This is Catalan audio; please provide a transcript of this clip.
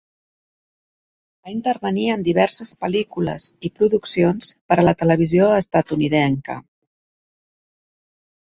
Va intervenir en diverses pel·lícules i produccions per la televisió estatunidenca.